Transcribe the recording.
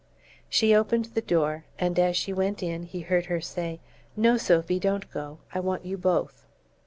She opened the door, and as she went in he heard her say: "No, Sophy, don't go! I want you both."